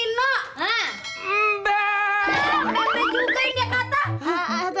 membe juga yang dia kata